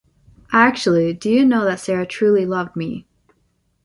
Actually, do you know that Sarah truly loved me.